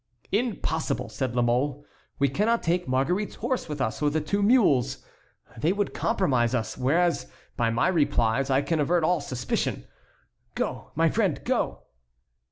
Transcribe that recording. "Impossible," said La Mole, "we cannot take Marguerite's horse with us or the two mules. They would compromise us, whereas by my replies I can avert all suspicion. Go, my friend, go!"